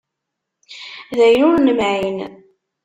D ayen ur nemεin.